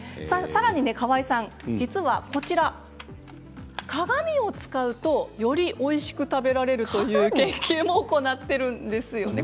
さらに、川合さん、実は鏡を使うとよりおいしく食べられるという実験も行っているんですよね。